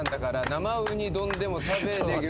「生ウニ丼でも食べでげ」